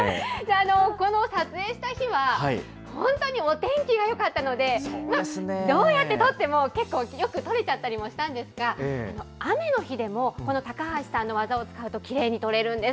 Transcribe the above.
この撮影した日は、本当にお天気がよかったので、どうやって撮っても結構よく撮れちゃったりもしたんですが、雨の日でも、この高橋さんの技を使うときれいに撮れるんです。